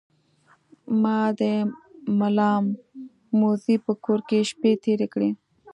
ما د ملامموزي په کور کې شپې تیرې کړې.